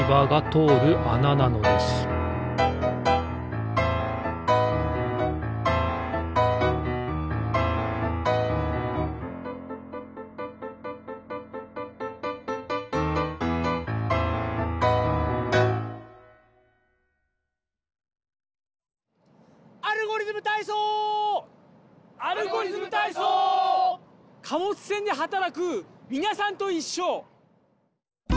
貨物船ではたらくみなさんといっしょ！